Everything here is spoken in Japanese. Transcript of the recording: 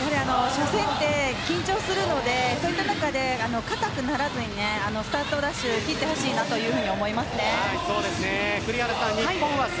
初戦って緊張するのでそういった中で硬くならずにスタートダッシュを切ってほしいなと思います。